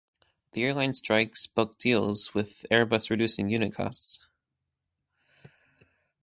The airline strikes bulk deals with Airbus reducing unit costs.